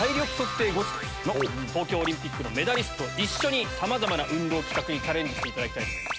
東京オリンピックのメダリストと一緒にさまざまな運動企画にチャレンジしていただきます。